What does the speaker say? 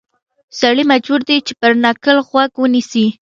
سړی مجبور دی چې پر نکل غوږ ونیسي.